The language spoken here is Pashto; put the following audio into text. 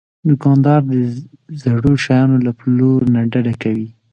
دوکاندار د زړو شیانو له پلور نه ډډه کوي.